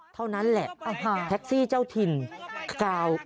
เท่านั้นแหละแท็กซี่เจ้าถิ่นกาว